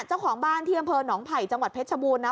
เจ้าของบ้านที่อำเภอหนองไผ่จังหวัดเพชรชบูรณนะ